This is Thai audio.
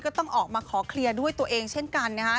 ต้องออกมาขอเคลียร์ด้วยตัวเองเช่นกันนะฮะ